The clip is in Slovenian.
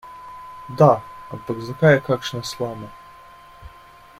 Da, ampak zakaj je kakšna slama?